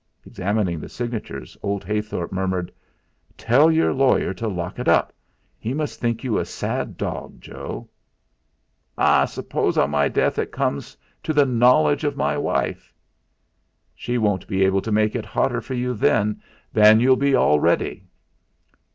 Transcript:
Examining the signatures old Heythorp murmured: "Tell your lawyer to lock it up. He must think you a sad dog, Joe." "Ah! Suppose on my death it comes to the knowledge of my wife!" "She won't be able to make it hotter for you than you'll be already."